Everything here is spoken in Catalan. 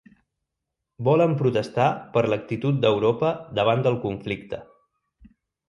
Volen protestar per l'actitud d'Europa davant del conflicte